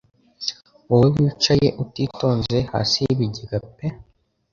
Wowe wicaye utitonze hasi y'ibigega pe